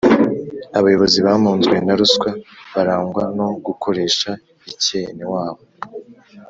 Abayobozi bamunzwe na ruswa, barangwa no gukoresha ikenewabo,